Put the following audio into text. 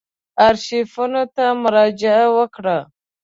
آرشیفونو ته مراجعه وکړو.